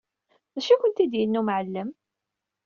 D acu i kent-d-yenna umɛellem?